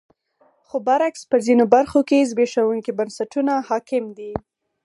خو برعکس په ځینو برخو کې زبېښونکي بنسټونه حاکم دي.